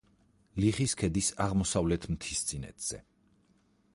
ლიხის ქედის აღმოსავლეთ მთისწინეთზე.